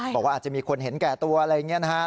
บอกว่าอาจจะมีคนเห็นแก่ตัวอะไรอย่างนี้นะครับ